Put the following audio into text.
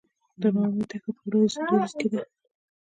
د نا امید دښته په لویدیځ کې ده